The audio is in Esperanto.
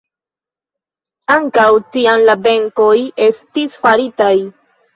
Ankaŭ tiam la benkoj estis faritaj.